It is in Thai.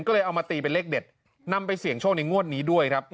ก็เลยเอามาตีเป็นเลขเด็ดนำไปเสี่ยงโชคในงวดนี้ด้วยครับ